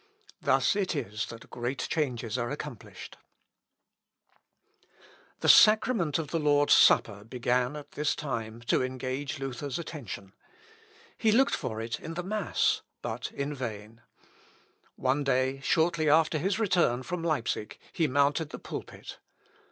Thus it is that great changes are accomplished. [Sidenote: FIRST IDEAS ON THE LORD'S SUPPER.] The sacrament of the Lord's supper began, at this time, to engage Luther's attention. He looked for it in the mass, but in vain. One day, shortly after his return from Leipsic, he mounted the pulpit.